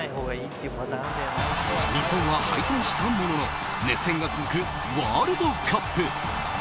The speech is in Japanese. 日本は敗退したものの熱戦が続くワールドカップ。